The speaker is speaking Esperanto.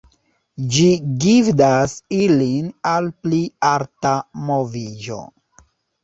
Ĝi gvidas ilin al pli alta moviĝo.